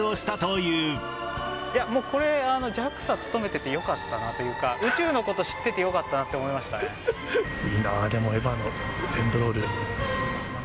いや、もうこれ、ＪＡＸＡ勤めててよかったなというか、宇宙のこと知っててよかったなっいいなあ、でも、エヴァのエンドロール。